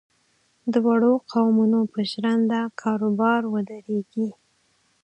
د وړو قومونو پر ژرنده کاروبار ودرېږي.